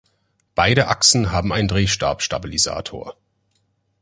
Beide Achsen haben einen Drehstab-Stabilisator.